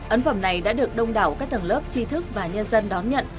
ấn phẩm này đã được đông đảo các tầng lớp chi thức và nhân dân đón nhận